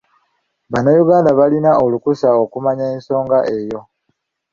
Bannayuganda balina olukusa okumanya ensonga eyo.